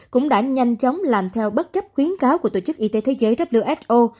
cũng đã nhanh chóng làm theo bất chấp khuyến cáo của tổ chức y tế thế giới who